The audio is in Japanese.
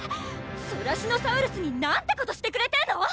ソラシノサウルスになんてことしてくれてんの！